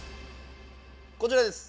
こちらです。